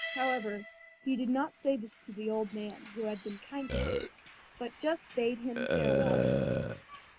However, he did not say this to the old man, who had been kind to him, but just bade him farewell.